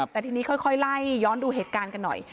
แต่ทีนี้ค่อยไล่ย้อนดูเหตุการณ์กันหน่อย